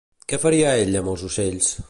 Què faria ell amb els ocells?